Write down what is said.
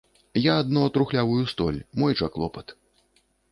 Я адно трухлявую столь, мой жа клопат.